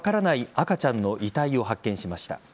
赤ちゃんの遺体を発見しました。